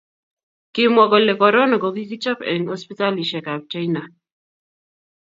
kimwa kole korona ko kikichop eng hosiptalishiek ab china